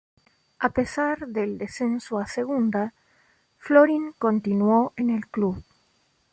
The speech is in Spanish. A pesar del descenso a Segunda, Florin continuó en el club.